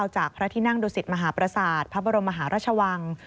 จากพระที่นั่งดุสิตมหาประสาทพระบรมมหาราชวัง